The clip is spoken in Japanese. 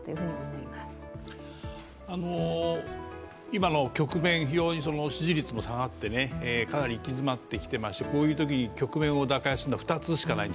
今の局面、非常に支持率も下がってかなり行き詰まってきていまして、こういうときに局面を打開するのは２つしかない。